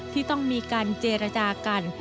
ที่ต้องมีการเจรจากัน